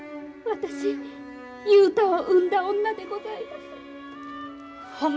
私雄太を産んだ女でございます。